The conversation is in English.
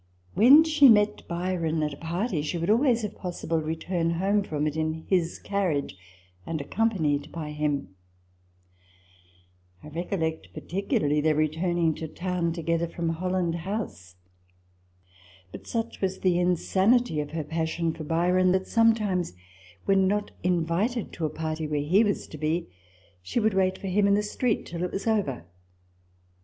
When she met Byron at a party, she would always, if possible, return home from it in his carriage, and accom panied by him : I recollect particularly their return ing to town together from Holland House. But such was the insanity of her passion for Byron, that * Behind Mr. Rogers's house, in St. James's Place. i8o RECOLLECTIONS OF THE sometimes, when not invited to a party where he was to be, she would wait for him in the street till it was over